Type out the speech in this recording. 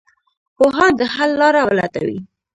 پوهان د حل لاره ولټوي.